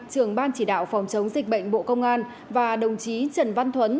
trường ban chỉ đạo phòng chống dịch bệnh bộ công an và đồng chí trần văn thuấn